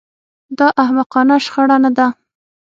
دا احمقانه شخړه نه ده